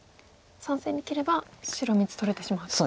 ３線に切れば白３つ取れてしまうと。